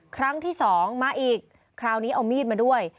ครั้งที่สองมาอีกคราวนี้เอามีดมาด้วย